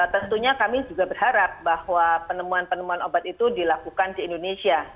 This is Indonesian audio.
tentunya kami juga berharap bahwa penemuan penemuan obat itu dilakukan di indonesia